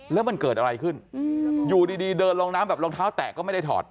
แล้วมันเกิดอะไรขึ้นอยู่ดีเดินลงน้ำแบบรองเท้าแตะก็ไม่ได้ถอด